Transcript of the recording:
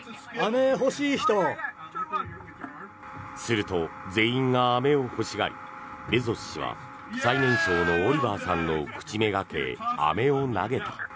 すると、全員がアメを欲しがりベゾス氏は最年少のオリバーさんの口目掛けアメを投げた。